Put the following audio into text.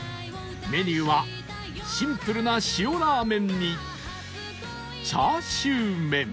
メニューはシンプルな塩ラーメンにチャーシューメン